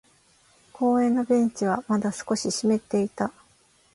公園のベンチはまだ少し湿っていた。